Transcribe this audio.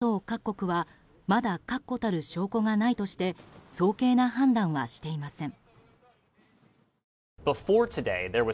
ただ、ＮＡＴＯ各国はまだ確固たる証拠がないとして早計な判断はしていません。